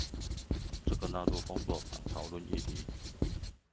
這個納入工作坊討論議題